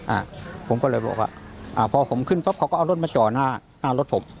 อ่าผมก็เลยบอกว่าอ่าพอผมขึ้นปั๊บเขาก็เอารถมาจ่อหน้าหน้ารถผม